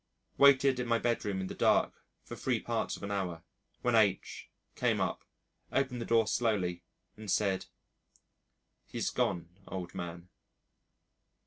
Waited in my bedroom in the dark for three parts of an hour, when H came up, opened the door slowly and said, "He's gone, old man."